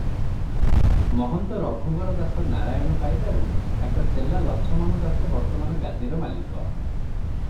ମହନ୍ତ ରଘୁବର ଦାସ ନାରାୟଣ ପାଇବାରୁ ତାଙ୍କ ଚେଲା ଲଛମନ ଦାସେ ବର୍ତ୍ତମାନ ଗାଦିର ମାଲିକ ।